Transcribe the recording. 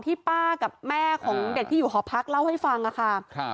ป้ากับแม่ของเด็กที่อยู่หอพักเล่าให้ฟังค่ะ